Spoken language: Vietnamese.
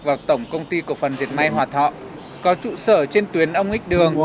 vào tổng công ty cổ phần diệt mai hòa thọ có trụ sở trên tuyến ông ích đường